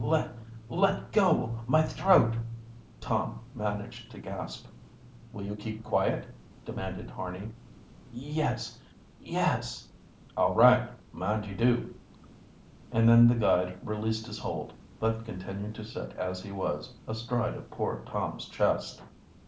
"Let let go my throat!" Tom managed to gasp. "Will you keep quiet?" demanded Harney. "Yes yes." "All right, mind you do." And then the guide released his hold, but continued to sit as he was, astride of poor Tom's chest.